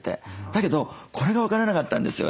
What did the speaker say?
だけどこれが分からなかったんですよ